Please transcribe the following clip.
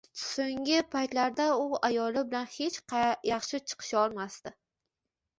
So`nggi paytlar u ayoli bilan hech yaxshi chiqisholmasdi